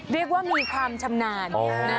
เรียกว่ามีความชำนาน